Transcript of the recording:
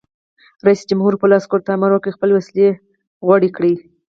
رئیس جمهور خپلو عسکرو ته امر وکړ؛ خپلې وسلې غوړې کړئ!